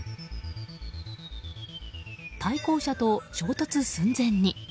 対向車と衝突寸前に。